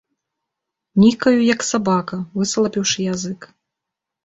Нікаю, як сабака, высалапіўшы язык.